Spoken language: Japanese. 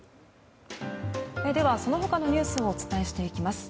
ではその他のニュースをお伝えしていきます。